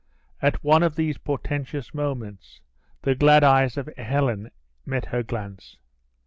At one of these portentous moments, the glad eyes of Helen met her glance.